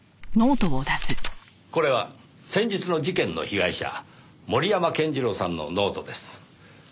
これは先日の事件の被害者森山健次郎さんのノートです。